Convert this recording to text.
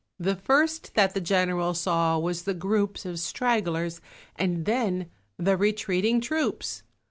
The first that the General saw was the groups Of stragglers, and then the retreating troops!